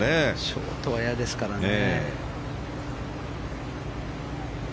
ショートは嫌ですからね。